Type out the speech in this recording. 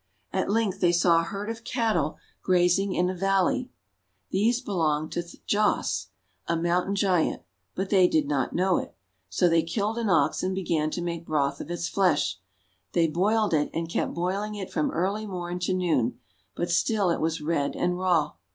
At length they saw a herd of cattle grazing in a valley. These belonged to Thjasse a Moun tain Giant, but they did not know it. So they killed an Ox, and began to make broth of its flesh. They boiled it, and kept boiling it from early morn to noon, but still it was red and raw.